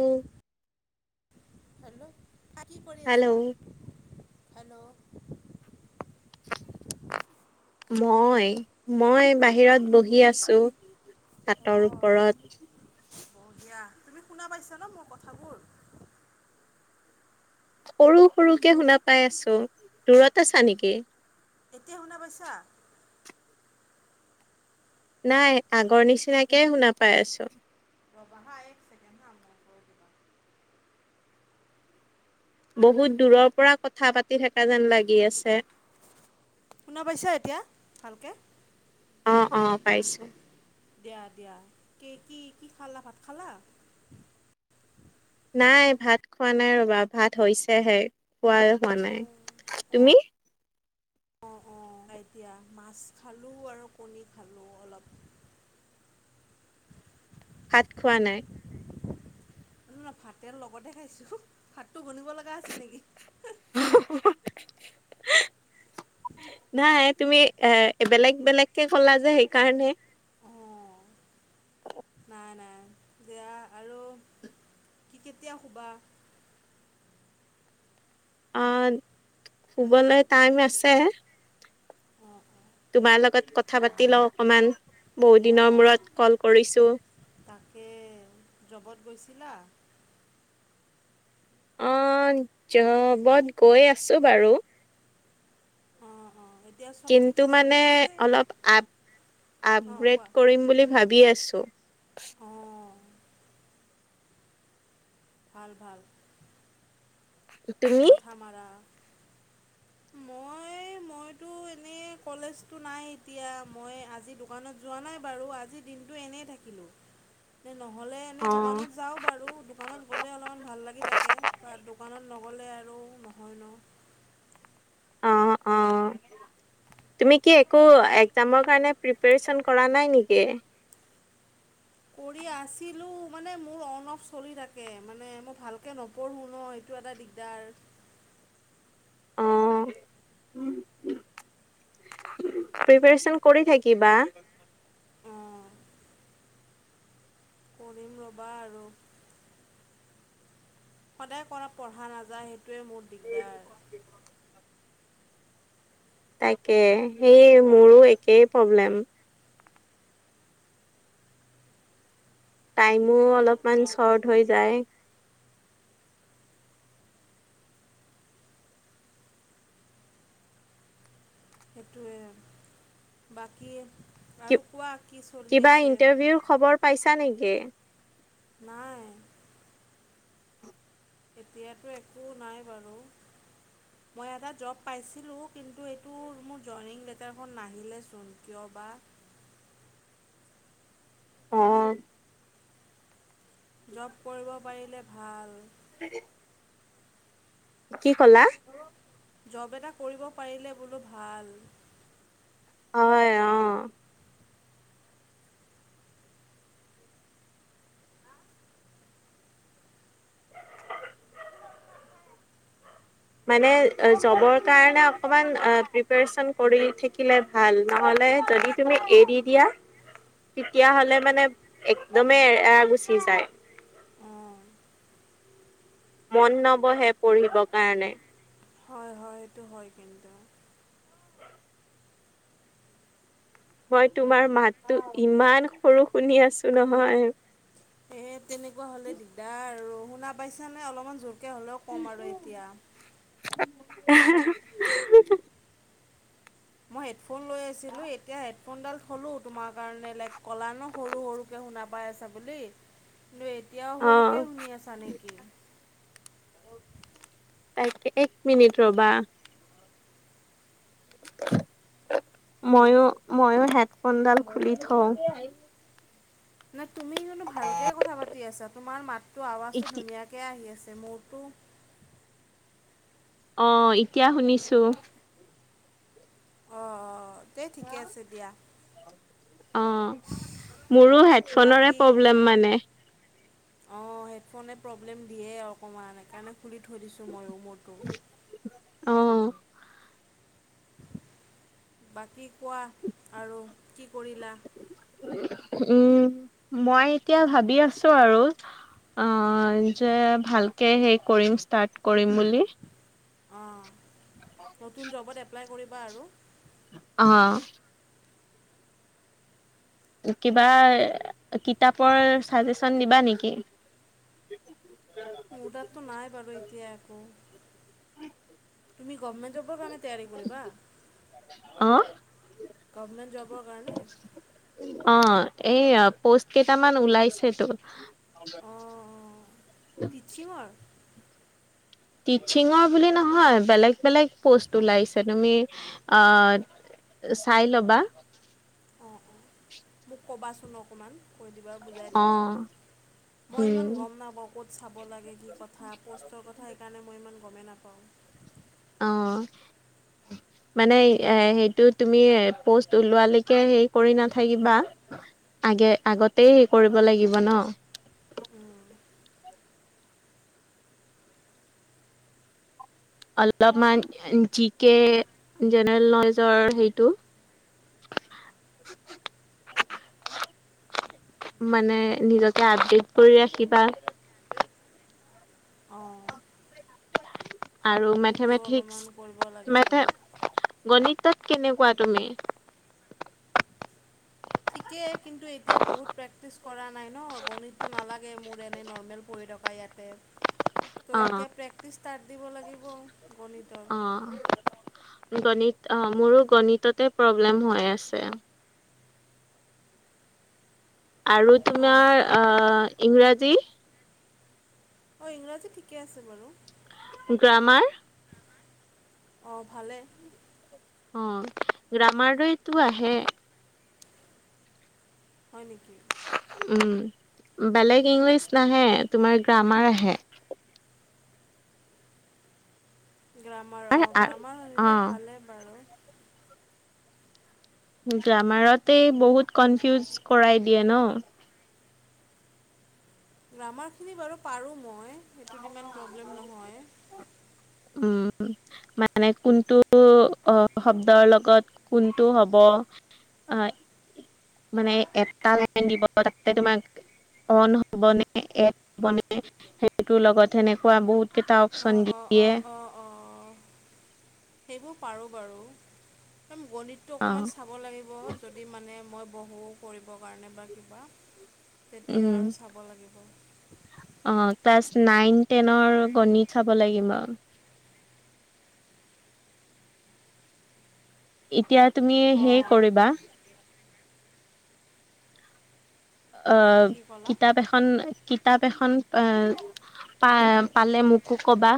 উম' hello, কা কি কৰি হেল্ল' আছা হেল্ল'। মই মই এই বাহিৰত বহি আছো। চাতৰ ওপৰত। হব দিয়া। তুমি শুনা পাইছা ন' মোৰ কথাবোৰ। সৰু সৰুকে শুনা পাই আছো দূৰত আছা নেকি। এতিয়া শুনা পাইছা। নাই আগৰ নিচিনাকে শুনা পাই আছো। ৰ'বাহাঁ এই- বহুত দূৰৰ পৰা কথা পাতি থাকা যেন লাগি আছে। শুনা পাইছা এতিয়া ভালকে। অ', অ', পাইছোঁ। দিয়া দিয়া, কে কি কি খালা ভাত খালা? নাই ভাত খোৱা নাই ৰ'বা ভাত হৈছেহে, খোৱাই হোৱা নাই, তুমি? অ', অ', এতিয়া মাছ খালো আৰু কণী খালো অলপ। ভাত খোৱা নাই? ন ভাতেৰ লগতে খাইছোঁ, ভাতটো গনিব লগা আছিল নেকি? [unintelligible] নাই তুমি এ বেলেগ বেলেগকে ক'লা যে সেইকাৰণে। অঁ [inaudible] নাই নাই দিয়া আৰু কি কেতিয়া শুবা? অ' শুবলে টাইম আছে। অঁ। তোমাৰ লগত কথা পাতি লওঁ অকণমান, বহুদিনৰ অঁ মূৰত ক'ল কৰিছোঁ। তাকে, জবত গৈছিলা? অঁ জবত গৈ আছোঁ বাৰু। অঁ অঁ', সেই কিন্তু মানে অলপ আপ অঁ আপগ্ৰেড কোৱা কৰিম বুলি ভাবি আছোঁ। অঁ ভাল ভাল। তুমি মাথা মৰা। মই মইতো এনেই কলেজটো নাই এতিয়া মই আজি দো দোকানত যোৱা নাই বাৰু আজি দিনটো এনেই থাকিলোঁ, নহ'লে অ এনেই দোকানত যাওঁ বাৰু দোকানত গ'লে অলপ ভাল লাগি থাকে, বা দোকানত নগলে আৰু নহয় ন'। অ [inaudible] তুমি কি একো একজামৰ কাৰণে প্ৰিপেৰেচন কৰা নাই নেকি? কৰি আছিলো মানে মোৰ অন অফ চলি থাকে মানে মই ভালকে নপ নপঢ়ো ন এইটো এটা দিগদাৰ। অঁ। প্ৰিপেৰেচন কৰি থাকিবা। অঁ কৰিম ৰবা আৰু। সদায় কৰা পঢ়া নাযায় সেইটোৱে মোৰ দিগদাৰ। তাকে সেই মোৰো একেই প্ৰব্লেম। টাইমো অলপমান চৰ্ট হৈ যায়। সেইটোৱে বাকী আৰু কোৱা কি চলি আছে? বিও খবৰ পাইছা নেকি? নাই। এতিয়াতো একো নাই বাৰু। মই এটা জব পাইছিলোঁ কিন্তু এইটো মোৰ জইনিং লেটাৰখন নাহিলেচোন, কিয় বা? অঁ। জব কৰিব পাৰিলে ভাল। [unintelligible] কি কলা? জব এটা কৰিব পাৰিলে বোলো ভাল। হয় অ। মানে জবৰ কাৰণে অকণমান প্ৰিপেৰচন কৰি থাকিলে ভাল নহ'লে যদি তুমি এৰি দিয়া তেতিয়া হলে মানে একদমেই এৰা গুচি যায় অঁ মন নবহে পঢ়িবৰ কাৰণে হয় হয় সেইটো হয় কিন্তু মই তোমাৰ মাততো ইমান সৰু শুনি আছো নহয় এই তেনেকুৱা হ'লে দিগদাৰ আৰু শুনা পাইছানে অলপমান জোৰকৈ হ'লেও ক'ম আৰু এতিয়া [unintelligible] মই হেডফোন লৈ আছিলোঁ এতিয়া হেডফোনডাল থ'লোঁ তোমাৰ কাৰণে লাইক কলা ন সৰু সৰুকৈ শুনা পাই আছা বুলি কিন্তু এতিয়াও অ' সৰুকে শুনি আছা নেকি তাকে এক মিনিট ৰবা মইও ময়ো হেডফোনডাল খুলি থওঁ নে তুমি কিন্তো ভালকৈ কথা পাতি আছা তোমাৰ মাতটো আৱাজটো এতি ধুনীয়াকৈ আহি আছে মোৰতো অ এতিয়া শুনিছোঁ অঁ অঁ তে ঠিকে আছে দিয়া অ মোৰো হেডফোনৰে বাকী প্ৰব্লেম মানে অঁ হেডফোনে প্ৰব্লেম দিয়ে আৰু অকণমান সেইকাৰণে খুলি থৈ দিছোঁ ময়ো মোৰটো অ বাকী কোৱা আৰু কি কৰিলা উম মই এতিয়া ভাবি আছো আৰু অ যে ভালকৈ সেই কৰিম ষ্টাৰ্ট কৰিম বুলি অঁ নতুন জবত এপ্লাই কৰিবা আৰু অ কিবা কিতাপৰ ছাজেচন দিবা নেকি মোৰ তাতটো নাই বাৰু এতিয়া একো তুমি গভমেণ্ট জবৰ কাৰণে তৈয়াৰি কৰিবা অ গভমেণ্ট জবৰ কাৰণে অ এই পোষ্ট কেইটামান ওলাইছেতো অ অঁঁ টিচিঙৰ টিচিঙৰ বুলি নহয় বেলেগ বেলেগ প'ষ্ট ওলাইছে তুমি অ চাই ল'বা অঁ অঁ মোক ক'বাচোন অকণমান কৈ দিবা বুজাই দিবা অ' মই উম। ইমান গম নাপাওঁ ক'ত চাব লাগে কি কথা প'ষ্টৰ কথা সেইকাৰণে মই ইমান গমেই নাপাওঁ অ [unintelligible] মানে এ সেইটো তুমি প'ষ্ট ওলোৱালৈকে হেৰি কৰি নাথাকিবা আগে আগতেই কৰিব লাগিব ন উম অলপমান জি কে জেনেৰেল নলেজৰ হেইটো [unintelligible] মানে নিজকে আপডেট কৰি ৰাখিবা অঁ আৰু সেইটো মেথেমেথিক্স অলপমান কৰিব লাগিব মেথে গণিতত কেনেকোৱা তুমি ঠিকে কিন্তু এতিয়া বহুত প্ৰেক্টিচ কৰা নাই ন গণিতটো নালাগে মোৰ এনে নৰ্মেল পঢ়ি থা পায় ইয়াতে ত' অ', এতিয়া প্ৰেক্টিচ ষ্টাৰ্ট দিব লাগিব গণিতৰ অ', গণিত অ মোৰো গণিততে প্ৰব্লেম হৈ আছে আৰু অঁ তোমাৰ অ ইংৰাজী অ ইংৰাজী ঠিকে আছে বাৰু গ্ৰামাৰ অ ভালে অ গ্ৰামাৰ দৰেতো আহে হয় নেকি উম বেলেগ ইংলিছ নাহে তোমাৰ গ্ৰামাৰ আহে গ্ৰামাৰ অ গ্ৰামাৰ আহিলে অ', ভালেই বাৰু গ্ৰামাৰতে বহুত কনফিউজ কৰাই দিয়ে ন গ্ৰামাৰখিনি বাৰু পাৰো মই সেইটোত ইমান প্ৰব্লেম নহয় উম মানে কোনটো অ শব্দৰ লগত কোনটো হ'ব অ মানে এটা লাইন দিব তাতে তোমাক অন হ'বনে এণ্ড হ'ব নে সেইটোৰ লগত সেনেকোৱা বহুত কেইটা অপচন অ দিয়ে অ অ সেইবোৰ পাৰো বাৰু একদম গণিত টো অ অকণমান চাব লাগিব যদি মানে মই বহো কৰিবৰ কাৰণে বা কিবা তেতিয়া উম আৰু চাব লাগিব অ ক্লাছ নাইন টেনৰ গণিত চাব লাগিব আৰু এতিয়া তুমি হেই অঁ কৰিবা অ কি ক'লা কিতাপ এখন এখন কিতাপ এখন এ পা পালে মোকো কবা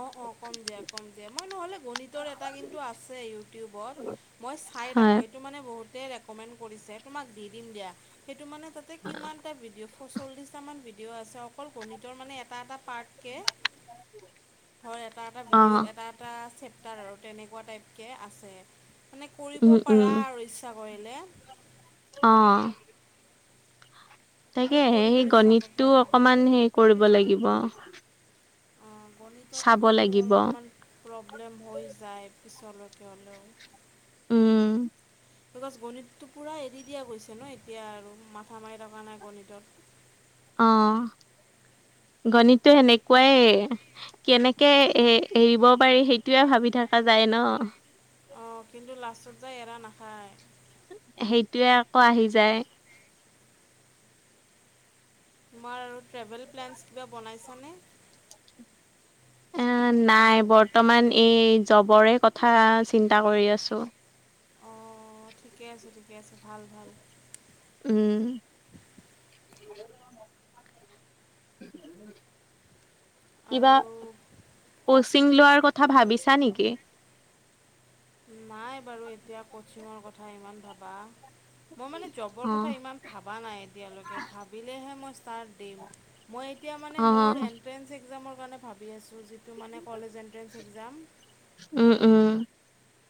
অ অ কম দিয়া কম দিয়া মই নহ'লে গণিতৰ এটা কিন্তু আছে ইউটিউবত মই চাই থাকো হয় এই সেইটোত মানে বহুতে এ কমেণ্ট কৰিছে তোমাক দি দিম দিয়া সেইটো মানে কিমানটা ভিডিঅ এশ চল্লিছটামান ভিডিঅ' আছে অকল গণিতৰ মানে এটা এটা পাৰ্টকে ধৰ এটা এটা অ ভিডিঅ'ত এটা এটা চেপ্টাৰ আৰু তেনেকোৱা টাইপকে আছে মানে কৰিব উম উম পাৰা আৰু ইচ্ছা কৰিলে অ তাকে আৰু কৰি সেই কৰি চাব গণিতটো পাৰা অকমান হেৰি কৰিব লাগিব অ গণিতত চাব কিন্তু লাগিব। অলপমান প্ৰব্লেম হৈ যায় পিছলৈকে হ'লেও উম বিকজ গণিতটো পুৰা এৰি দিয়া গৈছে ন এতিয়া আৰু মাথা মাৰি থকা নাই গণিতত অ গণিতটো সেনেকোৱাই কেনেকে এ এৰিব পাৰি সেইটোয়ে ভাবি থকা যায় ন অ কিন্তু লাষ্টত যায় এৰা নাখায় সেইটোয়ে আকৌ আহি যায় তোমাৰ আৰু ট্ৰেভেল প্লেনছ কিবা বনাইছানে? এ নাই বৰ্তমান এই জবৰে কথা চিন্তা কৰি আছো। অ' ঠিকে আছে ঠিকে আছে ভাল ভাল। উম কিবা আৰু কোৱা কচিং লোৱাৰ ক থা ভাবিছা নেকি? নাই বাৰু এতিয়া কচিঙৰ কথা ইমান ভাবা। মই মানে জবৰ অ কথা ইমান ভাবা নাই এতিয়ালৈকে ভাবিলেহে মই স্তাৰ্ত দিম। মই এতিয়া মানে অ মোৰ এণ্ট্ৰেঞ্চ এক্সামৰ কাৰণে ভাবি আছোঁ, যিটো মানে কলেজ এণ্ট্ৰেন্স এক্সাম। উম, উম।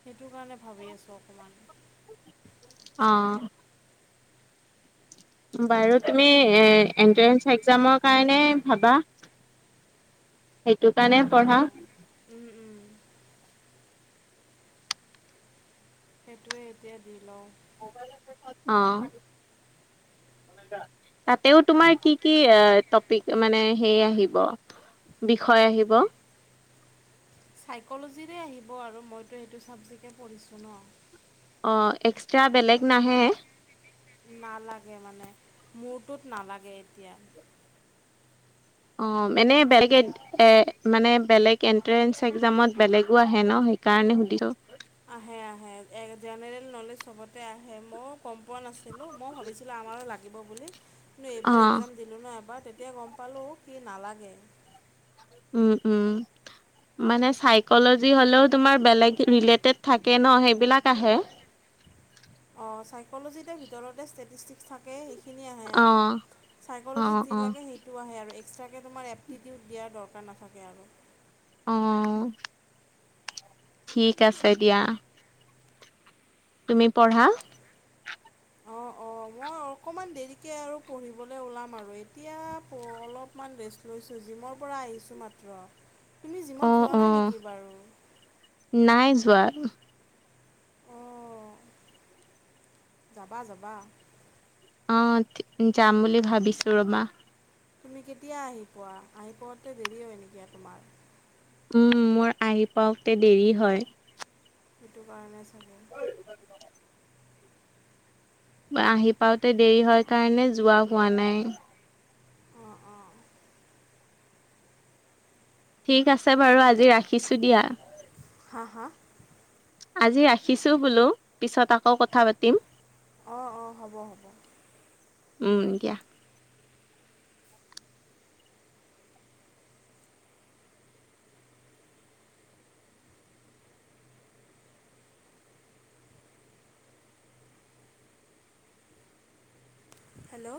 সেইটো কাৰণে ভাবি আছোঁ অকমান। অ। বাৰু তুমি এ এন্ট্ৰেস এক্জামৰ কাৰণে ভাবা? সেইটো কাৰণে তাকে। পঢ়া উম', উম, সেইটোৱে, এতিয়া দি লওঁ। অ'। তাতেও তোমাৰ কি কি এ টপিক মানে হে আহিব? বিষয় আহিব। চাইক'ল'জিৰে আহিব আৰু মইতো সেইটো ছাবজেক্টে পঢ়িছোঁ ন'। অঁ', এক্সট্ৰা বেলেগ নাহে? নালাগে মানে, মোৰটোত নালাগে এতিয়া। অ', এনেই বেলেগে এ মানে বেলেগ এণ্ট্ৰেঞ্চ একজামত বেলেগো আহে ন', সেইকাৰণে সুধিছোঁ। আহে আহে। জেনেৰেল নলেজ চবতে আহে মও গম পোৱা নাছিলোঁ। মও ভাবিছিলোঁ আমাৰো লাগে। লাগিব বুলি কিন্তু অ এইবাৰ এক্সাম দিলোঁ ন' এবাৰ, তেতিয়া গম পালোঁ সি নালাগে। উম', উম' মানে চাইকলজি হ'লেও তোমাৰ বেলেগ ৰিলেটেড থাকে ন', সেইবিলাক আহে। অঁ', চাইক'লজিতে ভিতৰতে ষ্টেটিষ্টিক থাকে সেইখিনি আহে অ আৰু অ চাইক'লজিত যি অ লাগে সেই টো আহে আৰু এক্সট্ৰাকৈ তোমাৰ এপ্টিটিউড দিয়াৰ দৰকাৰ নাথাকে আৰু। অ', ঠিক আছে দিয়া। তুমি পঢ়া। অ', অ' ম মই অকণমান দেৰিকে আৰু পঢ়িবলে ওলাম আৰু এতিয়া প অলপমান ৰেষ্ট লৈছোঁ। জিমৰ পৰা আহিছোঁ মাত্ৰ। তুমি অ জিমত যোৱা অ নাই নেকি বাৰু? নাই যোৱা। অঁ যাবা, যাবা। অঁ', যাম বুলি ভাবিছোঁ ৰ'বা। তুমি কেতিয়া আহি পোৱা? আহি পোৱাতে দেৰি হয় নেকি তোমাৰ? উম, মোৰ আহি পাওঁতে দেৰি হয়। সেইটো কাৰণে চাগে। আহি পাওঁতে দেৰি হয় কাৰণে যোৱা হোৱা নাই। অঁ', অঁ' ঠিক আছে বাৰু, আজি ৰাখিছোঁ দিয়া। হা, হা? আজি ৰাখিছোঁ বোলো, পিছত আকৌ কথা পাতিম। অঁ', অঁ', হ'ব, হ'ব। উম, দিয়া। হেল্ল'।